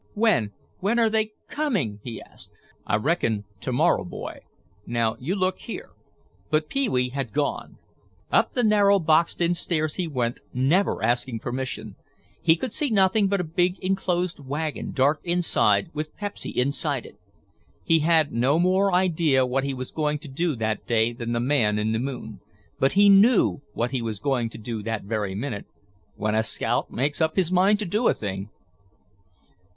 "When—when are they—coming?" he asked. "I reckon to morrow, boy. Now, you look here—" But Pee wee had gone. Up the narrow, boxed in stairs he went, never asking permission. He could see nothing but a big enclosed wagon, dark inside, with Pepsy inside it. He had no more idea what he was going to do that day than the man in the moon. But he knew what he was going to do that very minute. When a scout makes up his mind to do a thing....